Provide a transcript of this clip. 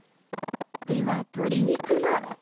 ［では鶏肉も］